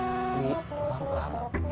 ini faruk apa